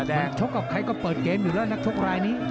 ไฟแดงมันชกกับใครก็เปิดเกมอยู่ละนะชกรายนี้